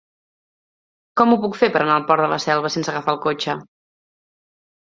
Com ho puc fer per anar al Port de la Selva sense agafar el cotxe?